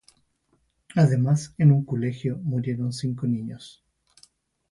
Además en un colegio murieron cinco niños.